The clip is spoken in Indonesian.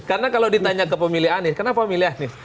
karena kalau ditanya ke pemilih anies kenapa pemilih anies